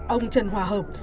ông trần hòa hợp